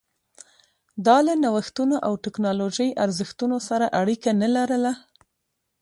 دا له نوښتونو او ټکنالوژۍ ارزښتونو سره اړیکه نه لرله